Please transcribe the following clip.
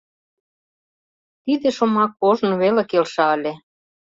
Тиде шомак ожно веле келша ыле.